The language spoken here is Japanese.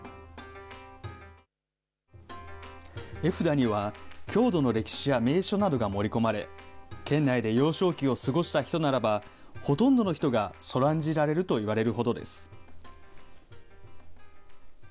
絵札には、郷土の歴史や名所などが盛り込まれ、県内で幼少期を過ごした人ならば、ほとんどの人がそらんじられるといわれるほどです。